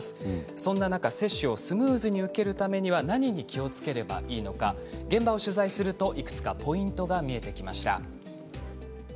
そんな中、接種をスムーズに受けるためには何に気をつければいいのか現場を取材するといくつかポイントが見えてきました。